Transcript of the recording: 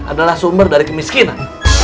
adalah sumber dari kemiskinan